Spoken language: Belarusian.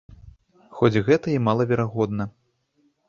Хоць гэта і малаверагодна.